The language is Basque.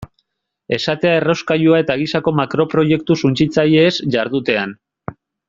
Esatea errauskailua eta gisako makroproiektu suntsitzaileez jardutean.